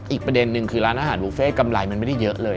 อีกประเด็นนึงคือร้านอาหารบุฟเฟ่กำไรมันไม่ได้เยอะเลย